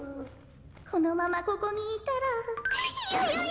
このままここにいたらヨヨヨ。